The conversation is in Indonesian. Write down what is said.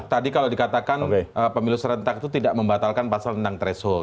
tadi kalau dikatakan pemilu serentak itu tidak membatalkan pasal tentang threshold